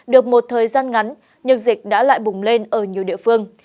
được một thời gian ngắn nhưng dịch đã lại bùng lên ở nhiều địa phương